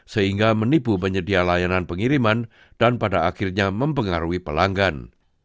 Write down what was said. sehingga menipu penyedia layanan pengiriman dan pada akhirnya mempengaruhi pelanggan